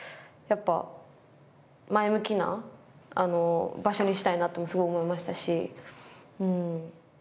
やっぱ前向きな場所にしたいなとすごい思いましたし。